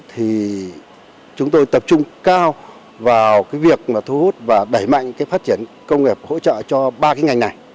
thì chúng tôi tập trung cao vào cái việc mà thu hút và đẩy mạnh cái phát triển công nghiệp hỗ trợ cho ba cái ngành này